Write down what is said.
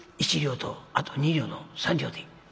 １両とあと２両の３両で」。